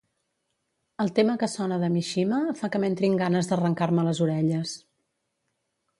El tema que sona de Mishima fa que m'entrin ganes d'arrencar-me les orelles.